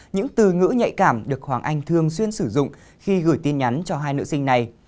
những từ ngữ nhạy cảm được hoàng anh thường xuyên sử dụng khi gửi tin nhắn cho hai nữ sinh này